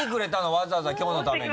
わざわざきょうのために？